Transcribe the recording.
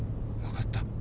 分かった。